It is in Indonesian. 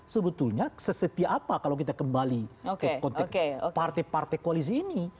sebetulnya sesetia apa kalau kita kembali ke konteks partai partai koalisi ini